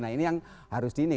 nah ini yang harus ini